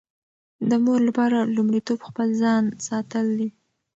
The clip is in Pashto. د مور لپاره لومړیتوب خپل ځان ساتل دي.